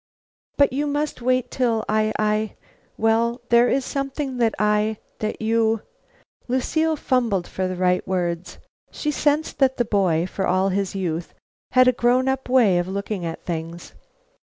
"But you must wait till I I well, there is something that I that you " Lucile fumbled for the right words. She sensed that the boy, for all his youth, had a grown up way of looking at things.